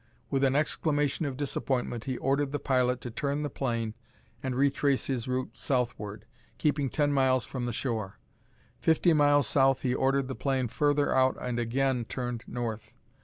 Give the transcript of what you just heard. With an exclamation of disappointment he ordered the pilot to turn the plane and retrace his route southward, keeping ten miles from the shore. Fifty miles south he ordered the plane further out and again turned north.